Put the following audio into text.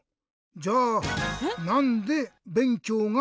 じゃあえ？